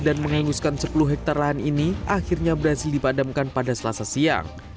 dan mengeluskan sepuluh hektare lahan ini akhirnya berhasil dipadamkan pada selasa siang